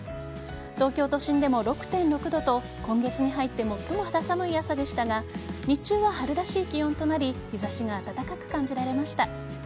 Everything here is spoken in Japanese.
東京都心でも６．６度と今月に入って最も肌寒い朝でしたが日中は春らしい気温となり日差しが暖かく感じられました。